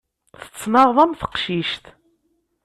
Tettnaɣeḍ am teqcict.